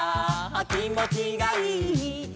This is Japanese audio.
「きもちがいいぞ」